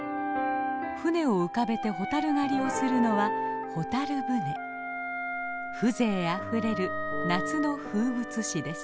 舟を浮かべて蛍狩りをするのは風情あふれる夏の風物詩です。